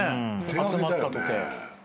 集まったとて。